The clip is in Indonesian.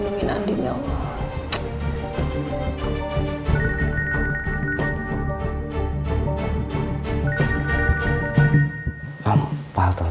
lindungi andin ya allah